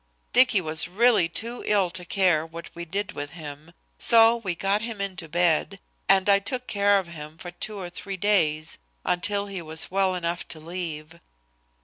Dicky was really too ill to care what we did with him, so we got him into bed, and I took care of him for two or three days until he was well enough to leave.